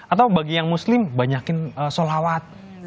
atau bagi yang muslim banyakin sholawat